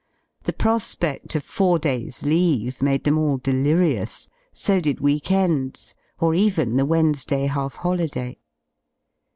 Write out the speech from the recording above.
The prosped of four days' leave made them all delirious; so did week ends, or even the Wednesday half holiday.